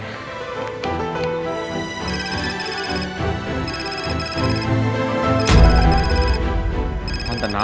sampai jumpa lagi